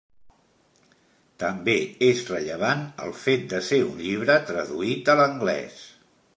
També és rellevant el fet de ser un llibre traduït a l'anglès.